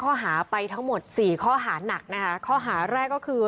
ข้อหาไปทั้งหมดสี่ข้อหานักนะคะข้อหาแรกก็คือ